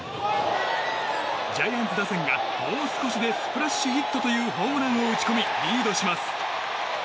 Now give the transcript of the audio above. ジャイアンツ打線がもう少しでスプラッシュヒットというホームランを打ち込みリードします。